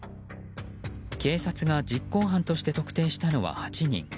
警察が実行犯として特定したのは８人。